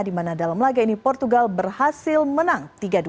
di mana dalam laga ini portugal berhasil menang tiga dua